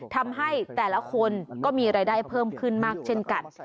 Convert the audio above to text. ทำให้แต่ละคนก็มีรายได้เพิ่มขึ้นมากเช่นกัน